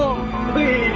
sampai pagi bang